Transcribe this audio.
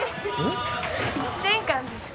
１年間ですか。